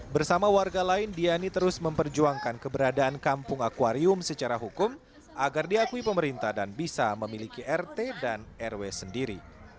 bersama warga lain diani terus memperjuangkan keberadaan kampung akwarium secara hukum agar diakui pemerintah dan bisa memiliki rt dan rw sendiri